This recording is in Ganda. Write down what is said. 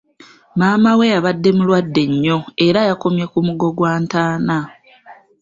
Maama we abadde mulwadde nnyo era yakomye ku mugo gwa ntaana.